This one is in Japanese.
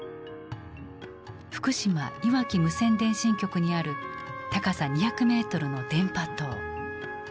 福島・磐城無線電信局にある高さ２００メートルの電波塔。